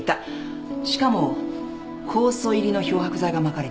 しかも酵素入りの漂白剤がまかれてた。